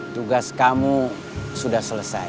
tugas kamu sudah selesai